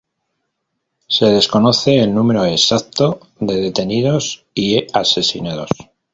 Se desconoce el número exacto de detenidos y asesinados.